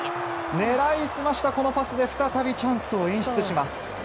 狙い澄ましたこのパスで再びチャンスを演出します。